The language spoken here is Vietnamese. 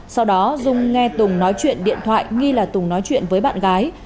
sau đó dung nghe tùng nói chuyện điện thoại nghi là tùng nói chuyện với bạn gái